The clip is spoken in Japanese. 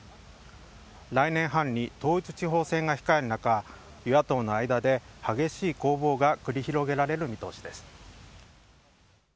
来年春に統一地方選が控える中、与野党の間で激しい攻防が繰り広げられる見通しです。